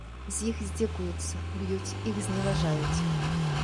З іх здзекуюцца, б'юць, іх зневажаюць.